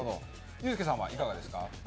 ユースケさんはいかがですか。